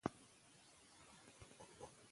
خپل مسؤلیتونه وپیژنئ.